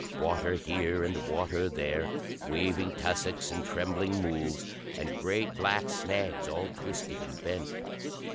Water here and water there; waving tussocks and trembling mools, and great black snags all twisted and bent.